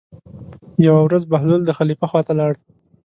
یوه ورځ بهلول د خلیفه خواته لاړ.